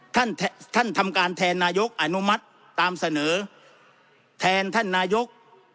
ท่านท่านทำการแทนนายกอนุมัติตามเสนอแทนท่านนายก